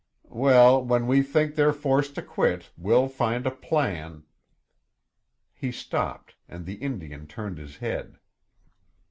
Well, when we think they're forced to quit, we'll find a plan " He stopped and the Indian turned his head.